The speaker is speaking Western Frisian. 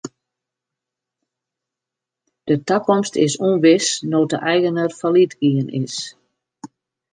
De takomst is ûnwis no't de eigener fallyt gien is.